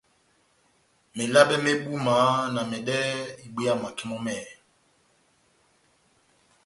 Melabɛ mé búma na mɛdɛ́hɛ́ ibwéya makɛ mɔ́ mɛ́hɛ́pi.